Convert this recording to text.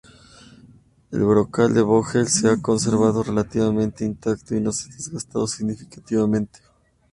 El brocal de Vogel se ha conservado relativamente intacto y no se desgastado significativamente.